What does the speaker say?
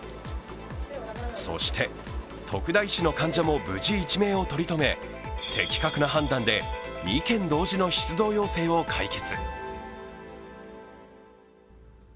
そして徳田医師の患者も無事一命を取り留め、的確な判断で２件同時の出動要請を解決。